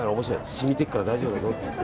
染みていくから大丈夫だぞって。